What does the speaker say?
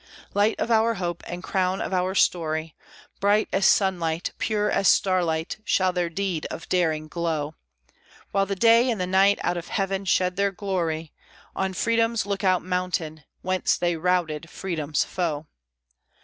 Light of our hope and crown of our story, Bright as sunlight, pure as starlight shall their deed of daring glow. While the day and the night out of heaven shed their glory, On Freedom's Lookout Mountain whence they routed Freedom's foe.